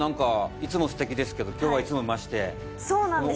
いつもステキですけど今日はいつにも増してそうなんですよ